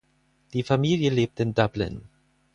Die Familie lebt in Dublin.